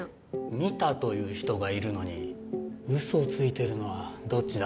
見たという人がいるのにウソをついてるのはどっちだ？